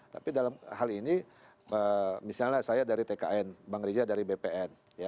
tapi dalam hal ini misalnya saya dari tkn bang riza dari bpn